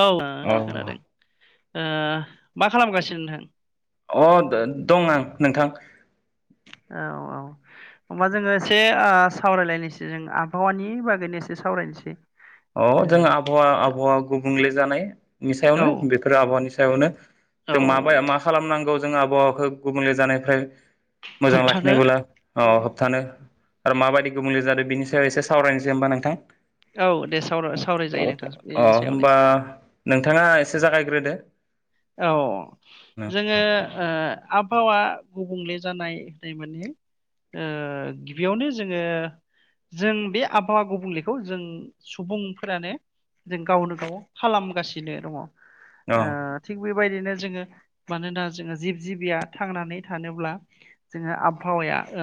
औ आ अ खोनादों ओ मा खालामगासिनो नोंथां? अ दन दङ आं नोंथां औ औ होमबा जोङो एसे ओ आ सावरायलायनोसै जों आबहावानि बागैनो एसे सावरायनोसै अ जों आबहावा आबहावा गुबुंले जानाय नि ओ सायावनो बेफोर आबहावानि सायावनो औ जों माबाया मा खालामनांगौ जों आबहावाखो गुबुंले जानायफाय मोजां होबथानो लाखिनोबोला अ औ होबथानो ओ माबायदि गुबुंले जादों बिनि सायाव एसे सावरायनोसै होनबा नोंथां औ दे सावराय अ सावरायजायो नोंथां अ बेनि सायावनो होनबा नोंथाङा एसे जागायग्रोदो औ अ जोङो ओ आबहावा गुबुंले जानाय होननाय माने ओ गिबियावनो जोङो जों बे आबहावा गुबुंलेखौ जों सुबुंफोरानो जों गावनो गाव खालामगासिनो दङ ओ बेबायदिनो जोङो मानोना जोङो जिब जिबिया थांनानै थानोब्ला जोङो आबहावाया ओ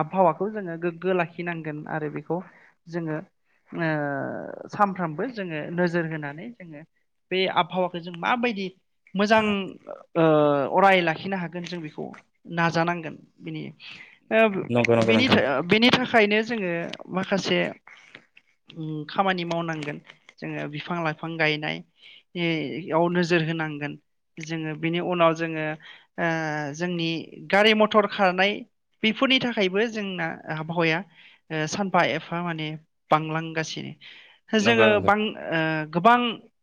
आबहावाखौ जोङो गोग्गो लाखिनांगोन आरो बेखौ जोङो ओ सानफ्रामबो जोङो नोजोर होनानै जोङो बे आबहावाखौ जों माबायदि मोजां ओ अराय लाखिनो हागोन जों बेखौ नाजानांगोन बिनि नंगौ ओ नंगौ बेनि नोंथां था- ओ बेनि थाख खायनो जोङो माखासे खामानि मावनांगोन जोङो बिफां लाइफां गायनाय एइ याव नोजोर होनांगोन जोङो बिनि उनाव जोङो ओ जोंनि गारि मथर खारनाय बेफोरनि थाखायबो जोंना आबहावाया ओ सानफा एफा माने बांलांगासिनो । नंगौ जोङो नंगौ बां ओ गोबां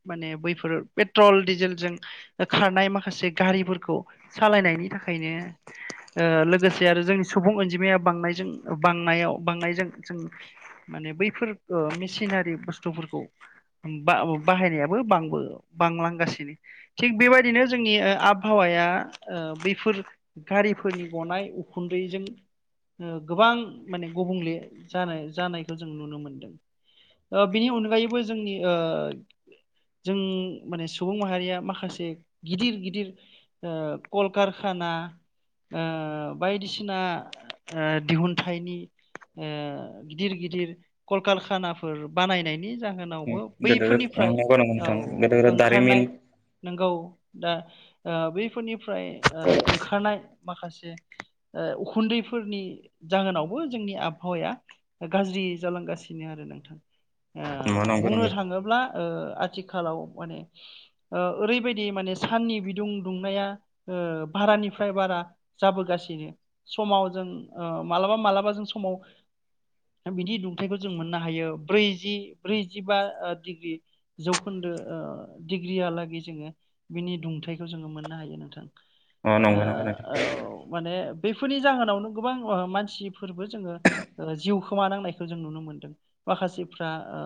माने बैफोर पेट्रल, डिजेलजों खारनाय माखासे गारिफोरखौ सालायनायनि थाखायनो ओ लोगोसे आरो जोंनि सुबुं अनजिमाया बांनायजों बांनायाव बांनायजों जों माने बैफोर ओ मेसिनारि बुस्थुफोरखौ बा-बाहायनायाबो बांबो बांलांगासिनो । थिग बेबायदिनो जोंनि ओ आबहावाया ओ बैफोर गारिफोरनि गनाय उखुन्दैजों ओ गोबां माने गुबुंले जानाय जानायखौ जों नुनो मोनदों । ओ बिनि अनगायैबो जोंनि ओ जों माने सुबुं माहारिया माखासे गिदिर गिदिर ओ‌ कलकारखाना ओ‌ बायदिसिना ओ दिहुनथाइनि ओ गिदिर गि दिर कलकारखानाफोर बानायनायनि अ जाहोनावबो दोदोदोद बैफोरनिफ्राय नंगौ नंगौ‌ औ नोंथां गोदोदो ओंखारनाय नोंगौ दा ओ बैफोरनि फ्राय ओ ओंखारनाय माखासे ओ उखुन्दैफोरनि जाहोनावबो जोंनि आबहावाया गाज्रि जालांगासिनो आरो नोंथां ओ नंगौ नंगौ बुंनो नंगौ थाङोब्ला ओ‌ आथि खालाव माने ओ ओरैबायदि माने साननि बिदुं दुंनाया ओ बारानिफ्राय बारा जाबोगासिनो समाव जों ओ मालाबा मालाबा जों समाव बिनि दुंथाइखौ जों मोननो हायो ब्रैजि ब्रैजिबा ओ डिग्रि जौखोन्दो ओ डिग्रियालागै जोङो बिनि दुंथाइखौ जोङो मोननो हायो नोंथां अ । नंगौ नंगौ नोंथां ओ औ माने । बेफोरनि जाहोनावनो गोबां ओ मानसिफोरबो जोङो ओ जिउ खोमानांनायखौ जों नुनो मोनदों माखासेफ्रा ओ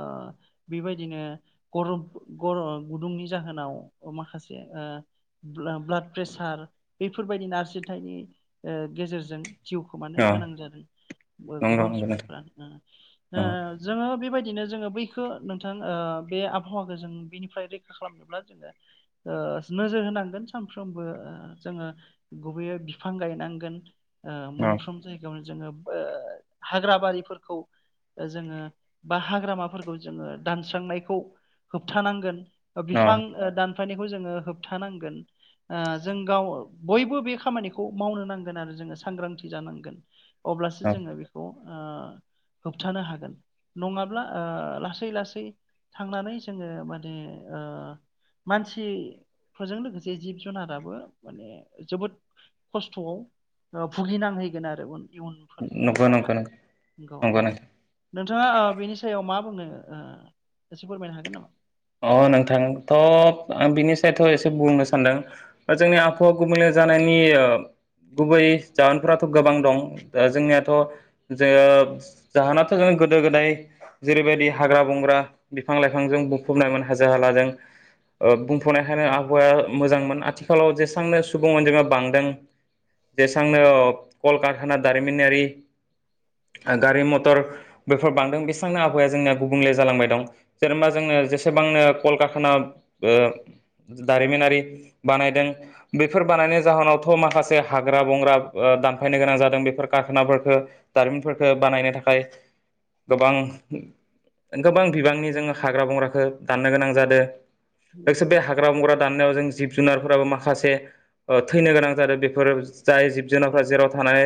बेबायदिनो गरम गरम गुदुंनि जाहोनाव माखासे ओ ब्ला-ब्लाड प्रेसार बेफोरबायदि नारसिनथायनि ओ गेजेरजों जिउ खोमानो अ गोनां जादों नंगौ गोबां नंगौ नोंथां सुबुंफ्रानो। ओ अ जोङो बेबायदि बिदिनो जोङो बैखौ नोंथां ओ बे आबहावाख जों बिनिफ्राय रैखा खालामनोब्ला जोङो ओ नोजोर होनांगोन सानफ्रोमबो ओ जोङो गुबैयै बिफां गायनांगोन। ओ औ मोनफ्रोम जायगायावनो जोङो ओ हाग्रा बारिफोरखौ जोङो बा हाग्रामाफोरखौ जोङो दानस्रांनायखौ होबथानांगोन । ओ औ बिफां ओ दान फायनायखौ जोङो होबथानांगोन ओ जों गाव बयबो बे खामानिखौ मावनो नांगोन आरो जोङो सांग्रांथि जानांगोन । अब्लासो औ जोंङो बेखौ ओ होबथानो हागोन। नंङाब्ला ओ लासै लासै थांनानै जोंङो माने ओ मानसिफोरजों लोगोसे जिब-जुनाराबो माने जोबोद खस्थ'आव ओ भुगिनांहैगोन आरो इयुनफोर नंगौ नंगौ इयुनावहााय। नंगौ औ नंगौ औ, नोंथां नोंथाङा ओ बेनि सायाव मा बुंदों? एसे फोरमायनो हागोन नामा अ नोंथांथ' आं बिनि सायथ' एसे बुंनो सान्दों बा जोंनि आहावा गुबुंल जानायनि जोंनि गुबै जाहोनफोराथ गोबां दं दा जोंनियाथ जो जाहोनाथ जों गोदो गोदाय जेरैबायदि हाग्रा बंग्रा बिफां लाइफांजों बुंफबनायमोन हाजो हालाजों बुंफबनाय हानाय आबहावाया मोजांमोन आथिखालाव जेसेबांनो सुबुं अनजिा बांदों जेसेबांनो कलकारहाना दारिमिनारि गारि मथर बेफोर बांदों बेसेबांनो आबहावाया जोंनिया गुबुंले जालांबाय दं जेनेबा जों बां एसेबांनो कल कारखाना दारिमिनारि बानायदों बेफोर बानायनाय जाहोनावथ' माखासे हाग्रा बंग्रा दानफायनो गोनां जादों बेफोर कारखानाफोरफोरखौ दारिमिनफोरफोरखौ बानायनो थाखाय गोबां गोबां बिबांनि जोंङो हाग्रा बंग्रखौ दाननो गोनां जादों। नस नंगौ बे हाग्रा बंग्रा दाननायाव जों जिब जुनारफोराबो माखासे थैनो गोनां जादों बेफोर जाय जिब जुनारफोरा जेराव थानानै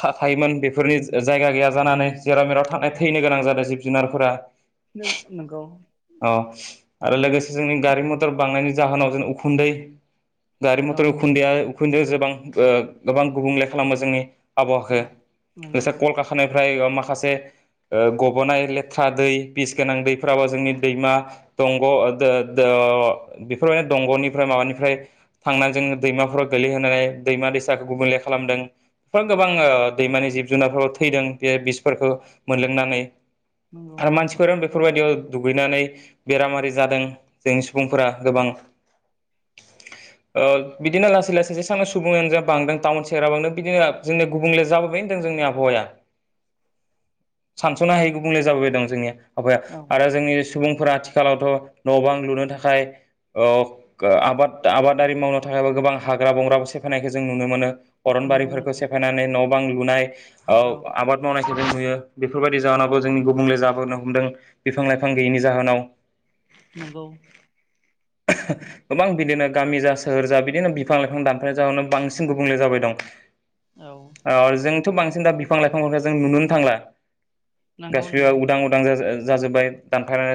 थायोमोन बेफोरनि जायगा गैया जानानै जेराव मेराव थ थैनो गोनां जादों जिब जुनारफोरा। नों नंगौ औ आरो लोगोसे जोंनि गारि मथर बांनायनि जाहोनाव जों उखुन्दै गारि औ मटर औ उखुन्दैया खुनु गोबां गोबां गुबुंले खालामो जोंनि आबहावाखो नंगौ जसे नंगौ कलकातानिफ्राय माखासे गबनाय लेथ्रा दै बिस गोनां दैफोराबो जोंनि दैमा दंग बेफोरबायदिनो दंगनिफ्राय माबानिफ्राय थांनानै जों दैमाफोराव गोलैहोनानै दैमा दैसाखौ गुबुंले खालामदों गोबां गोबां दैमानि जिब जुनारफोराव थैदों बे बिसफोरखौ मोनलोंनानै आरो औ मानसिफोरानो बेफोरबायदियाव दुगैनानै बेरामारि जादों जोंनि सुबुंफोरा गोबां बिदिनो लासै लासै जेसां सुबुंङानो जा बांदों टाउन सहेराव बांदों बिदिनो जोंनिया गुबुंले जाबोबाय होनदों जोंनि आबहावाया सानसनो हायै गुबुंले जाबोबाय दं जोंनिया औ आबहावाया सुबुंफोरा आथिखालावथ न बां लुनो थाखाय आबाद आबादारि मावनो थाखाय गोबां हाग्रा बंग्रो सेफनायखौ जों नुनो मोनो। नंगौ अरनबारिफोरखौ नोंथां सेफायनानै न' बां लुनाय औ आबाद मावनायखौ ज नुयो। बेफोरबायदि जाहोनावो जोंनि गुबुंले जाबोनो हमदों बिफां लाइफां गैयैनि जाहोनाव नंगौ गोबां बिदिनो गामि जा सोहोर जा बिदिनो बिफां लाइफां दानफायनाय जाहोनाव बांसिन गुबुंले जाबाय दं औ अ जों बांसिन दा बिफां लाइफां जों नुनो थांला नंगौ गासिबो नंगौ उदां उदां ज जाजोब्बाय दानफनाय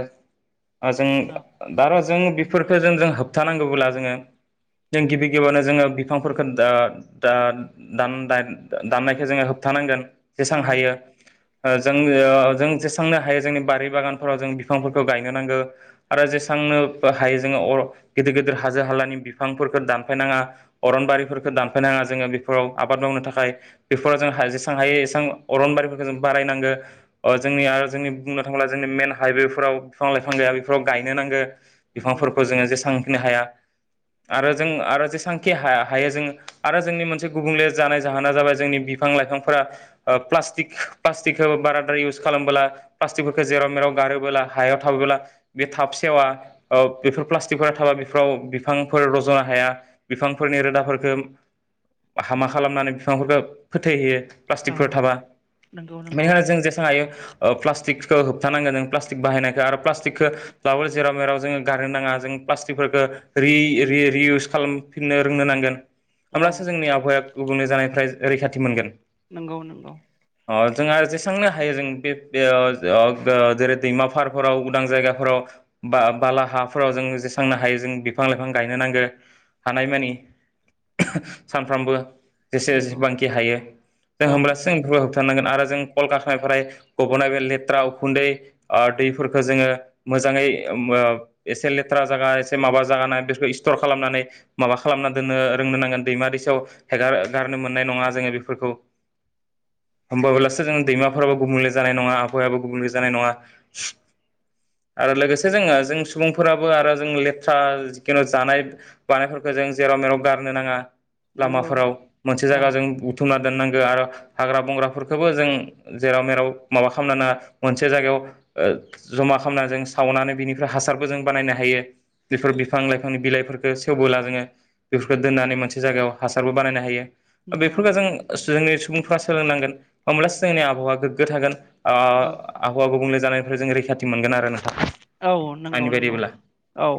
जों औ दार' जों बेफोरफोरखौ जों जों होबथानांगौब्ला जोंङो जों गिबि गिबियावनो जोंङो बिफांफोरखौ दान दाननायखौ जोंङो होबथानांगोन जेसेबां औ हायो ओ जों ओ जों जेसांनो हायो जोंनि बारि बागानफोराव जों बिफांफोरखौ गायनो नांगो आरो जेसांनो हायो जोङो अर' गिदिर गिदिर हाजो हालानि बिफांफोरखो दानफायनाङा, अरनबारिफोरखो दानफायनाङा। जोङो बेफोराव आबाद मावनो थाखाय बेफोराव जों हा जेसां हायो एसां अरनबारिफोरखोनो जों बारायनांगो ओ जोंनिआ जोंनि बुंनो थाङोब्ला जोंनि मेन हाइवेफोराव बिफां लाइफां गाया बेफोराव गायनो नांगो नंगौ बिफांफोरखौ जोङो औ जेसांखिनि हाया। आरो जों आरो जेसांखि हा-हायो जों आरो जोंनि मोनसे गुबुंले जानाय जाहोना जाबाय जोंनि बिफां लाइफांफोरा ओ प्लास्टिक प्लास्टिकखौ बाराद्राय इउस खालामबोला प्लास्टिकफोरखो जेराव मेराव गारोब्ला हायाव थाबोला बे थाब सेवा। ओ बेफोर प्लास्टिकफोरा थाबा बेफोराव बिफांफोर रज'नो हाया, बिफांफोरनि रोदाफोरखो हामा खालामनानै बिफांफोरफोरखो फोद थैहोयो प्लासटिकफोर औ थाबा। नंगौ नंगौ बेनिखायनो जों जेसां हायो ओ प्लास प्लास्टिकखो होबथानांगोन जों प्लास्टिक बाहायनायखो आरो प्लास्टिकखोब्लाबो जेराव मेराव जोङो गारनो नाङा जों प्लास्टिकफोरखो रि-रि-रि इउस खालामफिननो रोंनो नांगोन। औ होमब्लासो जोंनि आबहावाया गुबुंले जानायखौ ओमफ्राय रैखाथि मोनगोन। नंगौ नंगौ। अ जोंङा आरो जेसांनो हायो जों बे बे आव ओब आ जेरै दैमा फारफोराव उदां जायगाफोराव बा-बाला हाफोराव जों जेसांनो हायो जों बिफां लाइफां गायनो नांगो हानायमानि सानफ्रामबो। जेसे नंगौ जेसेबांखि हायो जों औ होमब्लासो जों बेफोरखो होब होनांगोन आरो जों कलकारखानिफ्राय गबोनाय बे लेथ थ्रा उखुन्दै आ दैफोरखो जोङो मोजाङै ओब ओ एसे लेथ्रा जागा एसे माबा जागा बेफोरखो स्ट'र खालामनानै माबा खालामना दोननो रोंनो नांगोन दैमा दैसायाव हेगार गारनो मोननाय नङा जोङो बेफोरखौ। होमबाबोलासो जों दैमा फोराबो गुबुंले जानाय नङा आब हावायोबो गुबुंले जानाय नङा आरो लोगोसे जोङो जों सुबुंफोराबो आरो जों लेथ्रा जिखुनु जानाय बानायफोरखौ जों जेराव मेराव गारनो नाङा। नंगौ लामाफोराव मोनसे औ जायगाजों बुथुमना दोननांगो आरो हाग्रा बंग्राफोरखोबो जों जेराव मेराव माबा खामनो नाङा मोनसे जायगायाव ओ ज'मा खामना जों सावनानै बिनिफ्राय हासारबो जों बानायनो हायो। बेफोर बिफां लाइफांनि बिलाइफोरखो सेवबोला जोङो बेफोरखो दोननानै मोनसे जायगायाव हासारबो बानायनो हायो। ओ नंगौ बेफोरखो जों जोंनि सुबुंफ्रा सोलोंनांगोन होब्लासो जोंनि आबहावा गोग्गो थागोन। ओ औ आबहावा गुबुंले जानायनिफ्राय जों रैखाथि मोनगोन आरो नों औ नंगौ नंगौ औ।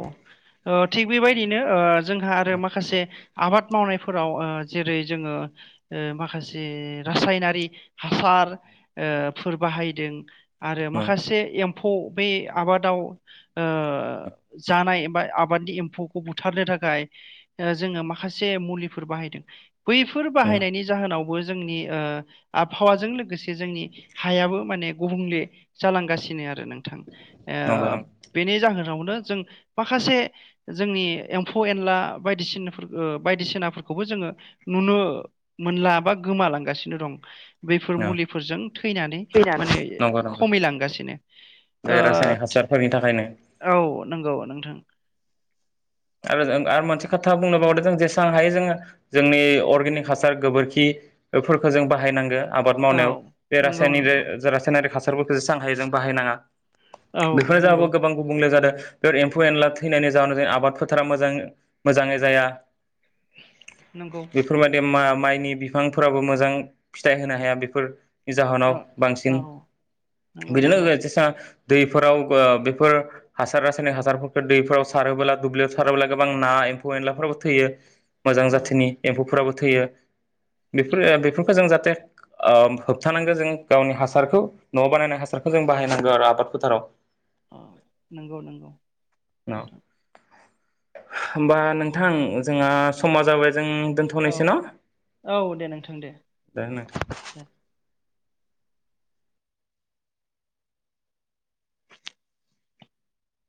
ओ थिग बेबायदिनो ओ जों हा आरो माखासे आबाद मावनायफोराव ओ जेरै जोङो ओ माखासे रासायनारि हासार ओ फोर बाहायदों आरो माखासे एम फौ बै आबादाव ओ जानाय बा आबादनि एम्फौखौ बुथारनो थाखाय ओ जोङो माखासे मुलिफोर बाहायदों। बैफोर बाहायनायनि जाहोनावबो जोंनि ओ आबहावाजों लोगोसे जोंनि हायाबो माने गुबुंले जालांगासिनो आरो नोंथां। नंगौ ओ बेनि जाहोनाव नो जों माखासे जोंनि एम्फौ एनला बायदिसिनाफोर ओ बायदिसिनाफोरखौबो जोङो नुनो मोनला बा गोमालांगासिनो दं। बेफोर नंगौ मुलिफोरजों थैनानै माने नंगौ नंगौ खमिलांगासिनो ओ बे रासायनिक हासारफोरनि थाखायनो औ नोंगौ नोंथां [inaudible] आरो जों आरो मोनसे खोथा बुंनो बावदों जों जेसां हायो जोङो जोंनि अर्गेनिक हासार गोबोरखिफोरखो जों बाहायनांगो। आबाद औ मावनायाव बे नंगौ रासानिरा नंगौ रासयनारि हास सारफोरखो जेसां हायो जों बाहायनाङा। औ बेफोर जाहाबो नंगौ गोबां गुबुंले जादों। बेफोर एम्फौ एनला थैनायनि जाहोनाव जों आबादफोर फोथारा मोजां मोजाङै जाया। नंगौ बेफोरबायदि मा-माइ नि बिफांफोराबो मोजां फिथाइ होनो हाया बेफोर नि औ जाहोनाव औ बांसिन नंगौ बिदिनो नंगौ जा एसे सा दैफोराव ओ बेफोर हासार रासायनारि हासारफोरखौ दैफोराव सारोबोला दुब्लियाव सारोबोला गोबां ना एम्फौ एनलाफोराबो थैयो। मोजां औ जाथिनि एम्फौफोराबो थैयो बेफोर बेफोरखौ जों जाहाथे ओ होबथानांगो जों गावनि हासारखौ न'आव बानायनाय हासारखौ जों बाहायनांगौ आरो आबाद फोथाराव। अ नोंगौ नोंगौ नोंथां। होमबा नोंथां जोंहा समा जाबाय। जों औ दोनथ'नोसै न' औ दे नोंथां दे दे नोंथां दे।